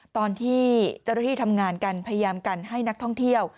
ตอนที่เจ้าหน้าที่ทำงานกันพยายามกันให้นักท่องเที่ยว